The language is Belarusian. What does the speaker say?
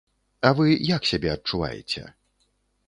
А вы як сябе адчуваеце?